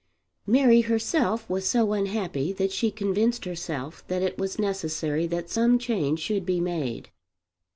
Mary herself was so unhappy that she convinced herself that it was necessary that some change should be made.